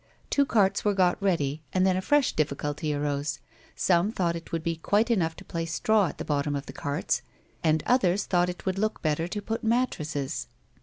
Two carts were got ready, and tlien a fresh difficulty arose ; some thought it would be quite enough to place straw at the bottom of the carts, others thought it would look better to put mattresses.